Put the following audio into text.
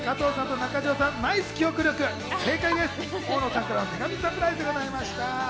大野さんからの手紙サプライズでございました。